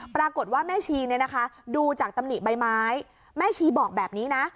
ปรากฏว่าแม่ชีเนี่ยนะคะดูจากตำหนิใบไม้แม่ชีบอกแบบนี้นะ